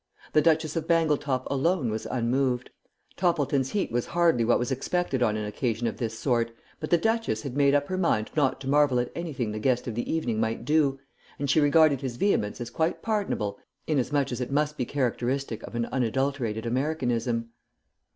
The Duchess of Bangletop alone was unmoved. Toppleton's heat was hardly what was expected on an occasion of this sort, but the duchess had made up her mind not to marvel at anything the guest of the evening might do, and she regarded his vehemence as quite pardonable inasmuch as it must be characteristic of an unadulterated Americanism.